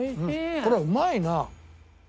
これうまいな！